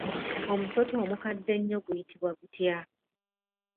Omusota omukadde ennyo guyitibwa gutya?